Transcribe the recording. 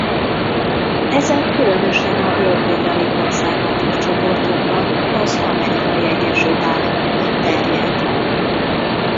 Ezek különösen a jobboldali-konzervatív csoportokban az Amerikai Egyesült Államokban terjed.